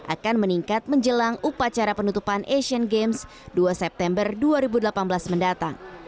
akan meningkat menjelang upacara penutupan asian games dua september dua ribu delapan belas mendatang